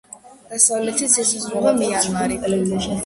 დასავლეთით ესაზღვრება მიანმარი.